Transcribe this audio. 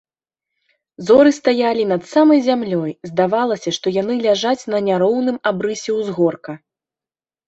Зоры стаялі над самай зямлёй, здавалася, што яны ляжаць на няроўным абрысе ўзгорка.